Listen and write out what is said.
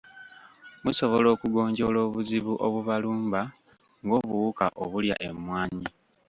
Musobola okugonjoola obuzibu obubalumba ng'obuwuka obulya emmwanyi.